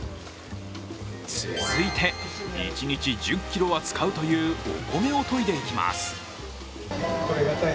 続いて、一日１０ｋｇは使うというお米をといでいきます。